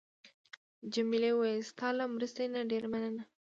جميلې وويل: ستاسو له مرستې نه ډېره مننه.